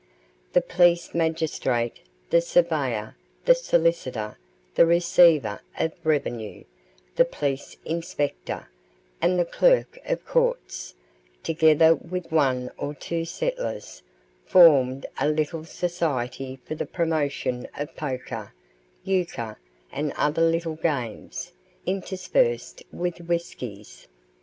The Police Magistrate, the Surveyor, the Solicitor, the Receiver of Revenue, the Police Inspector, and the Clerk of Courts, together with one or two settlers, formed a little society for the promotion of poker, euchre, and other little games, interspersed with whiskies.